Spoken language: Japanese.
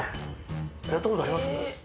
やったことあります？